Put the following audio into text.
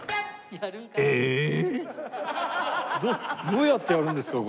どうやってやるんですか？